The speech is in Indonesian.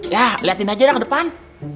ya liatin aja deh ke depan